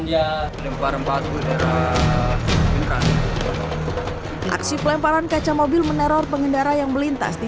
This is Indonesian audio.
dia lempar empat udara pindah aksi pelemparan kaca mobil meneror pengendara yang melintas di